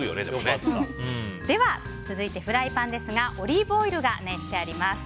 では続いて、フライパンですがオリーブオイルが熱してあります。